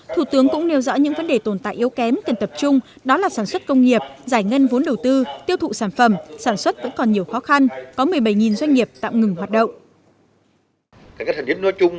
thủ tướng cũng nêu rõ những vấn đề tồn tại yếu kém cần tập trung đó là sản xuất công nghiệp giải ngân vốn đầu tư tiêu thụ sản phẩm sản xuất vẫn còn nhiều khó khăn có một mươi bảy doanh nghiệp tạm ngừng hoạt động